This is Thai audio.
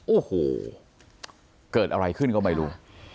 โอ้โหเกิดอะไรขึ้นก็ไม่รู้